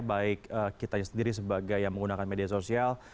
baik kita sendiri sebagai yang menggunakan media sosial